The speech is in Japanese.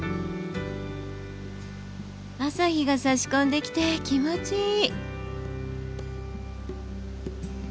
朝日がさし込んできて気持ちいい！